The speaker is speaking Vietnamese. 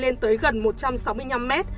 lên tới gần một trăm sáu mươi năm m